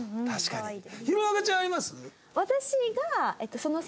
確かに。